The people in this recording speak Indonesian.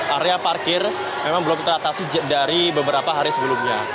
area parkir memang belum teratasi dari beberapa hari sebelumnya